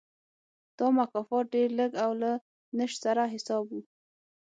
دا مکافات ډېر لږ او له نشت سره حساب و.